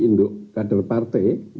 induk kader partai